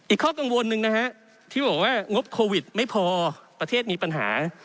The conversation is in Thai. ข้อกังวลหนึ่งนะฮะที่บอกว่างบโควิดไม่พอประเทศมีปัญหา